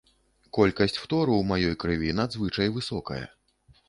Колькасць фтору ў маёй крыві надзвычай высокая.